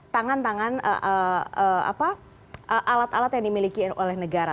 tangan tangan alat alat yang dimiliki oleh negara